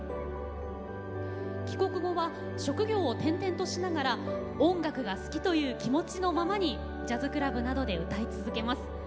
帰国後は職業を転々としながら音楽が好きという気持ちのままにジャズクラブなどで歌い続けます。